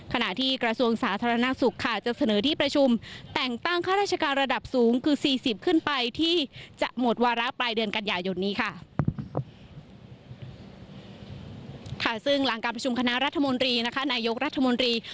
ขณะที่กระทรวงสาธารณสุขจะเสนอที่ประชุมแต่งตั้งข้าราชการระดับสูงคือ๔๐ขึ้นไปที่จะหมดวาระปลายเดือนกันหย่ายุ่นนี้